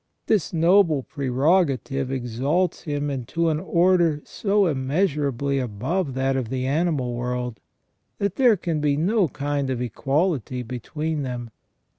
This noble prerogative exalts him into an order so immeasurably above that of the animal world, that there can be no kind of equality between them.